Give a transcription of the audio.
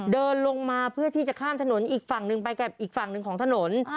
เดินลงมาเพื่อที่จะข้ามถนนอีกฝั่งหนึ่งไปกับอีกฝั่งหนึ่งของถนน